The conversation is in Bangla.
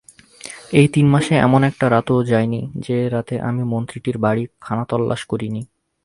এই তিন মাসে এমন একটা রাতও যায়নি যে-রাতে আমি মন্ত্রীটির বাড়ি খানাতল্লাশ করিনি।